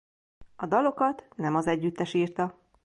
A dalokat nem az együttes írta.